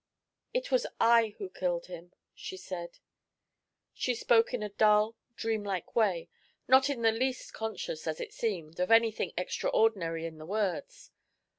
"It was I who killed him," she said. She spoke in a dull, dream like way, not in the least conscious, as it seemed, of anything extraordinary in the words.